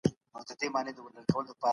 سوداګریزو تړونونو ګټه رسوله.